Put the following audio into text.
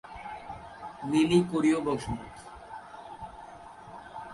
Lily কোরীয় বংশোদ্ভূত।